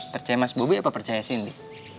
percaya mas bobby apa percaya sindi